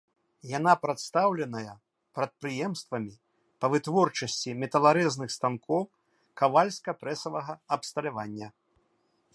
Яна прадстаўленая прадпрыемствамі па вытворчасці металарэзных станкоў, кавальска-прэсавага абсталявання.